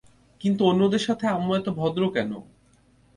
কিন্তু অন্যদের সাথে আম্মু এত ভদ্র কেন?